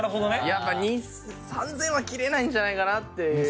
やっぱ３０００は切れないんじゃないかなっていう。